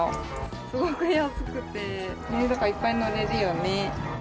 すごく安くて、だからいっぱい乗れるよね。